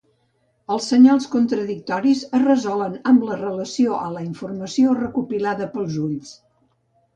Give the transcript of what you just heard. Els senyals contradictoris es resolen amb relació a la informació recopilada pels ulls.